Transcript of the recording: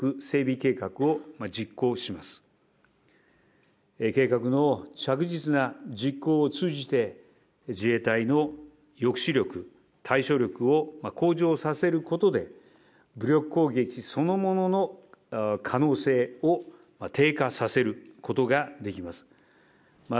計画の着実な実行を通じて、自衛隊の抑止力、対処力を向上させることで、武力攻撃そのものの可能性を低下させることができます。